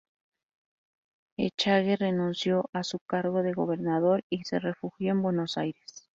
Echagüe renunció a su cargo de gobernador y se refugió en Buenos Aires.